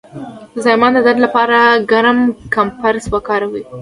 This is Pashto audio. د زایمان د درد لپاره ګرم کمپرس وکاروئ